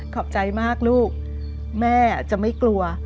ขอบใจมากลูกแม่จะไม่กลัว